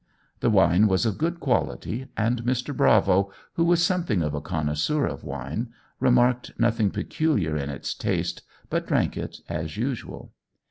The wine was of good quality, and Mr. Bravo, who was something of a connoisseur of wine, remarked nothing peculiar in its taste, but drank it as usual.